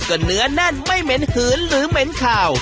ก็เนื้อแน่นไม่เหม็นหืนหรือเหม็นขาว